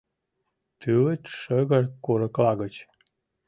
Тӱвыт шыгыр курыкла гыч